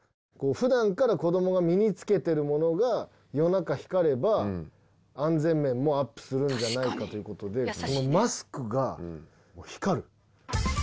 ふだんから子どもが身につけてるものが夜中光れば、安全面もアップするんじゃないかということで、マスクが光る。